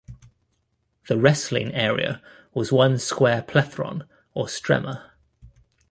The wrestling area was one square plethron or stremma.